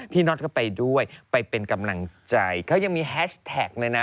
น็อตก็ไปด้วยไปเป็นกำลังใจเขายังมีแฮชแท็กเลยนะ